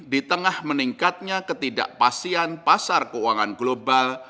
di tengah meningkatnya ketidakpastian pasar keuangan global